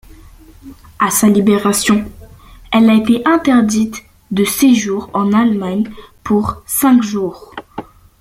À sa libération, elle a été interdite de séjour en Allemagne pour cinq ans.